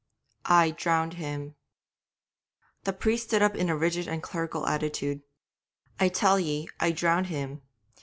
'I drowned him.' The priest stood up in a rigid and clerical attitude. 'I tell ye I drowned him.'